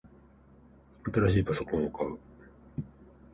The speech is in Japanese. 新しいパソコンを買う